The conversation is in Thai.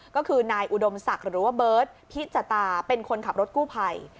ก็คือนายอุดมศักดิ์หรือว่าเบิร์ตพิจตาเป็นคนขับรถกู้ภัย